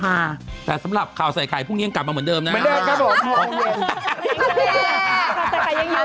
มาสำหรับข่าวใส่ไข่พรุ่งนี้กลับวันเกิดเหมือนเดิมนะครับไม่ได้ครับผม